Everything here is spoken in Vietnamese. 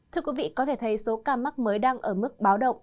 thưa quý vị có thể thấy số ca mắc mới đang ở mức báo động